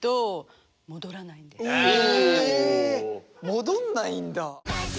戻んないんだ。